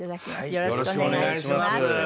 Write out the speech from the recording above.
よろしくお願いします。